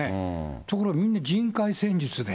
ところがみんな、人海戦術で。